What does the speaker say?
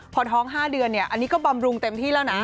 พอท้อง๕เดือนเนี่ยอันนี้ก็บำรุงเต็มที่แล้วนะ